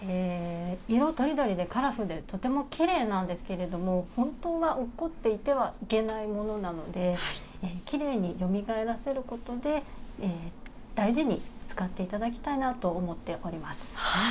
色とりどりでカラフルで、とてもきれいなんですけれども、本当はおっこっていてはいけないものなので、きれいによみがえらせることで、大事に使っていただきたいなと思っております。